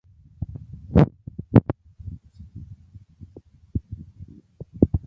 Rada se v brzké době bude tímto tématem znovu zabývat.